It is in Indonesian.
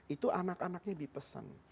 itu anak anaknya dipesan